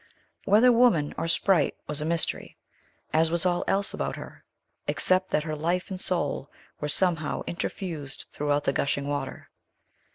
Whether woman or sprite was a mystery, as was all else about her, except that her life and soul were somehow interfused throughout the gushing water.